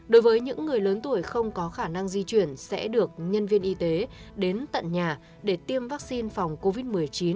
đối với những người lớn tuổi không có khả năng di chuyển sẽ được nhân viên y tế đến tận nhà để tiêm vaccine phòng covid một mươi chín